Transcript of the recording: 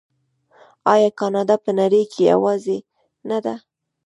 آیا کاناډا په نړۍ کې یوازې نه ده؟